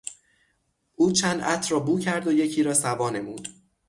او چند عطر را بو کرد و یکی را سوا نمود.